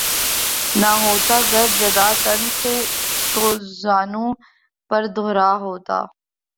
نہ ہوتا گر جدا تن سے تو زانو پر دھرا ہوتا